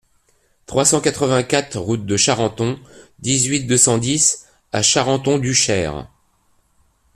trois cent quatre-vingt-quatre route de Charenton, dix-huit, deux cent dix à Charenton-du-Cher